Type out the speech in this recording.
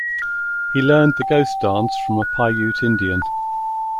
He learned the Ghost Dance from a Paiute Indian.